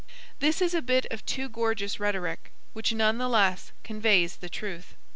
This is a bit of too gorgeous rhetoric, which none the less conveys the truth.